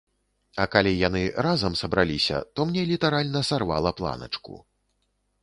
А калі яны разам сабраліся, то мне літаральна сарвала планачку.